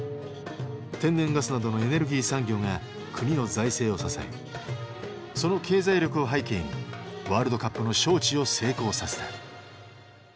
天然ガスなどのエネルギー産業が国の財政を支えその経済力を背景にワールドカップの招致を成功させた。